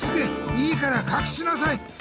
いいからかくしなさい！